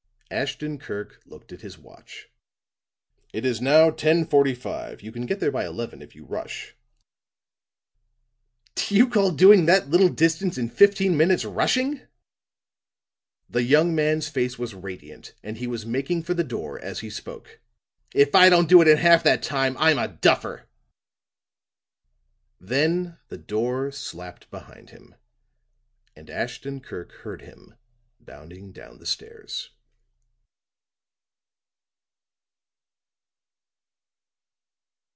Ashton Kirk looked at his watch. "It is now 10:45. You can get there by eleven if you rush." "Do you call doing that little distance in fifteen minutes rushing?" The young man's face was radiant and he was making for the door as he spoke. "If I don't do it in half that time, I'm a duffer." Then the door slapped behind him, and Ashton Kirk heard him bounding down the stairs.